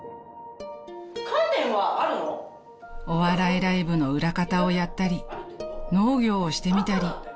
［お笑いライブの裏方をやったり農業をしてみたり］